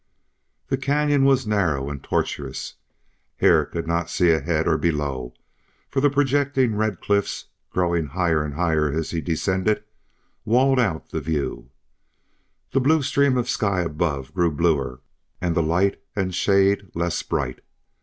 The canyon was narrow and tortuous; Hare could not see ahead or below, for the projecting red cliffs, growing higher as he descended, walled out the view. The blue stream of sky above grew bluer and the light and shade less bright.